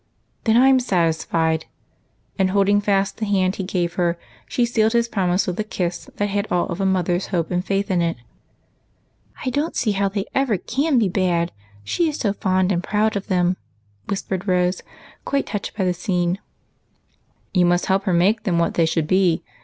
"Then I'm satisfied!" and holding fast the hand he gave her, she sealed his promise with a kiss that had all a mother's hope and faith in it. " I don't see how tliey ever can be bad, she is so fond and proud of them," whispered Rose, quite touched by the little scene. "You must help her make them what they should be.